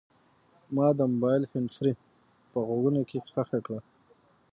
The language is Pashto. ما د موبایل هینډفري په غوږونو کې ښخه کړه.